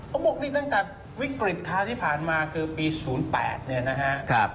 ผมบอกนี่ตั้งแต่วิกฤตคราวที่ผ่านมาคือปี๐๘เนี่ยนะฮะ